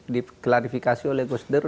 diklarifikasi oleh gusdur